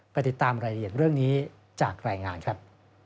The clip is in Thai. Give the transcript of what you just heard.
ติดตามรายละเอียดเรื่องนี้จากรายงานครับ